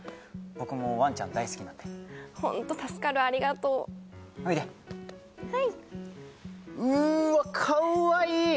僕もワンちゃん大好きなんでホント助かるありがとうおいではいうわかわいい！